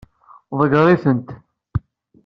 Ḍeggeṛ-itent.